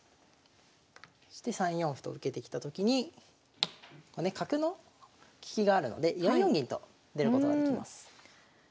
そして３四歩と受けてきたときに角の利きがあるので４四銀と出ることができます。